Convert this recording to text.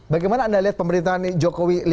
bagaimana anda lihat pemerintahan jokowi